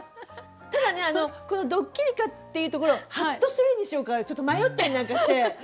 ただねこの「ドッキリか」っていうところを「ハッとする」にしようかちょっと迷ったりなんかして。